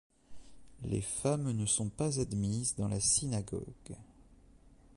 Les femmes ne sont pas admises dans la synagogue.